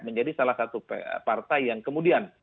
menjadi salah satu partai yang kemudian